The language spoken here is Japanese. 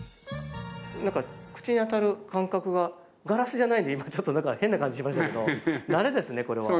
口に当たる感覚がガラスじゃないんで今、ちょっと変な感じしましたけど慣れですね、これは。